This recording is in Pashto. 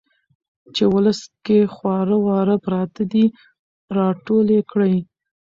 چې ولس کې خواره واره پراته دي را ټول يې کړي.